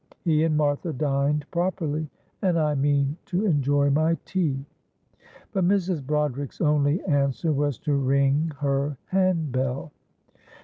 He and Martha dined properly, and I mean to enjoy my tea." But Mrs. Broderick's only answer was to ring her handbell.